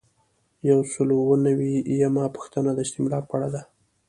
یو سل او اووه نوي یمه پوښتنه د استملاک په اړه ده.